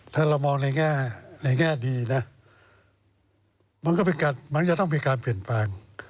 ถ้าเรามองในแง่ดีนะมันก็จะต้องมีการเปลี่ยนแปลง